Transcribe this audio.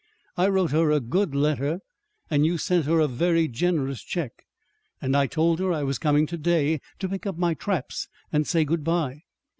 I wrote her a good letter, and you sent her a very generous check; and I told her I was coming to day to pick up my traps and say good bye.